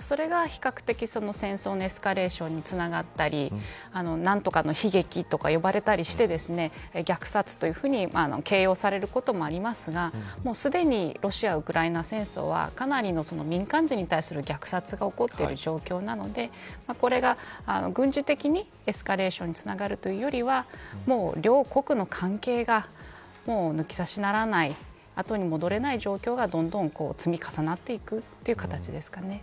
それが比較的、戦争のエスカレーションにつながったり何とかの悲劇とか呼ばれたりして虐殺というふうに形容されることもありますがすでにロシア、ウクライナ戦争はかなりの民間人に対する虐殺が起こっている状況なのでこれが軍事的にエスカレーションにつながるというよりはもう両国の関係が抜き差しならない後に戻れない状況がどんどん積み重なっていくという形ですかね。